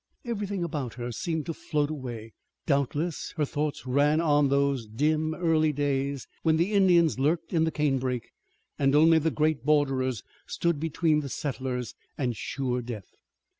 Everything about her seemed to float away. Doubtless her thoughts ran on those dim early days, when the Indians lurked in the canebrake and only the great borderers stood between the settlers and sure death.